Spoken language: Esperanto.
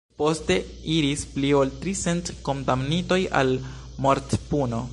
Poste iris pli ol tricent kondamnitoj al mortpuno.